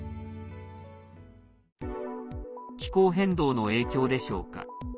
気候変動の影響でしょうか。